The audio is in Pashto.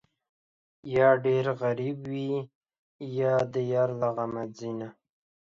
یا ډېر غریب وي، یا د یار له غمه ځینه